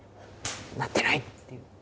「なってない！」っていう。